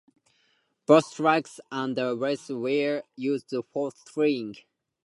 Both tracks and wheels were used for steering.